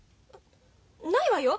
ないわよ。